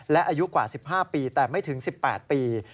และอายุกว่า๑๕ปีแต่ไม่ถึง๑๘ปี